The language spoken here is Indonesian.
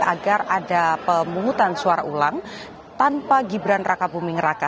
agar ada pemungutan suara ulang tanpa gibran raka buming raka